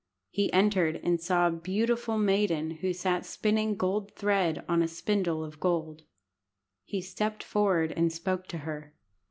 He entered, and saw a beautiful maiden who sat spinning gold thread on a spindle of gold. He stepped forward and spoke to her.